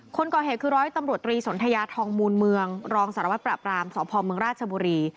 คนก่อเหตุคือร้อยตำรวจตรีสนทยาทองมูลเมืองรองสารวัตรปราบรามสพเมืองราชบุรี